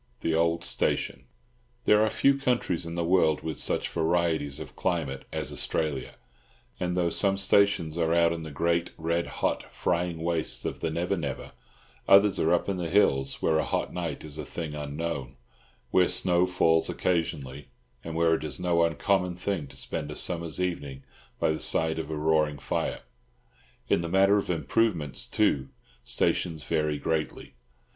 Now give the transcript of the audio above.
THE OLD STATION. There are few countries in the world with such varieties of climate as Australia, and though some stations are out in the great, red hot, frying wastes of the Never Never, others are up in the hills where a hot night is a thing unknown, where snow falls occasionally, and where it is no uncommon thing to spend a summer's evening by the side of a roaring fire. In the matter of improvements, too, stations vary greatly.